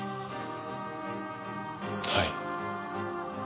はい。